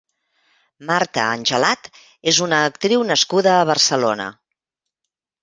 Marta Angelat és una actriu nascuda a Barcelona.